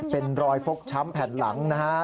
เป็นรอยฟกช้ำแผ่นหลังนะฮะ